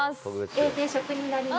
Ａ定食になります。